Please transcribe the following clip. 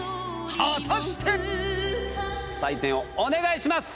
果たして⁉採点をお願いします！